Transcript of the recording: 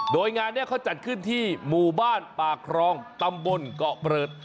โดยงานนี้เขาจัดขึ้นที่หมู่บ้านปากครองตำบลเกาะเบิด